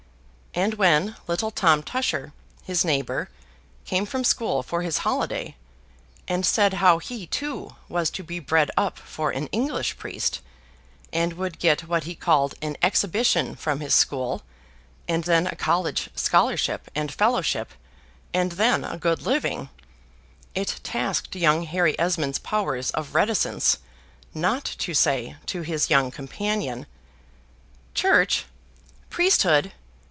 And when little Tom Tusher, his neighbor, came from school for his holiday, and said how he, too, was to be bred up for an English priest, and would get what he called an exhibition from his school, and then a college scholarship and fellowship, and then a good living it tasked young Harry Esmond's powers of reticence not to say to his young companion, "Church! priesthood!